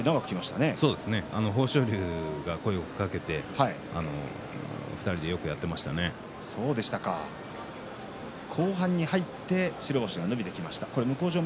豊昇龍が声をかけて今年に入って白星が伸びてきました。